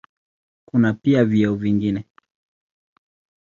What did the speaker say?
Kuna pia vyeo vingine.